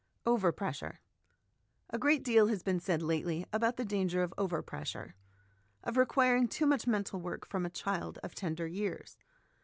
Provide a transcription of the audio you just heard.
Overpressure. A great deal has been said lately about the danger of overpressure, of requiring too much mental work from a child of tender years.